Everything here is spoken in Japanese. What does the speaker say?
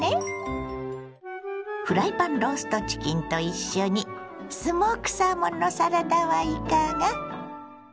フライパンローストチキンと一緒にスモークサーモンのサラダはいかが。